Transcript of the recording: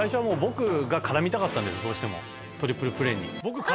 「どうしてもトリプルプレーに」